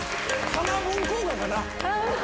カナブン効果かな。